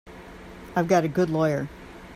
I've got a good lawyer.